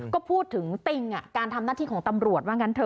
ก็พูดถึงติ้งการทำหน้าที่ของตำรวจ